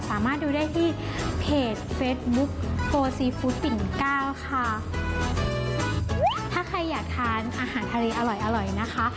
สามารถดูได้ที่เพจเฟสบุ๊คโฟซีฟู้ดปิ่นเก้าค่ะถ้าใครอยากทานอาหารทะเลอร่อยอร่อยนะคะ